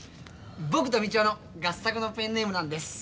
僕と道雄の合作のペンネームなんです。